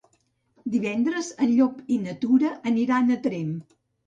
Divendres en Llop i na Tura aniran a Tremp.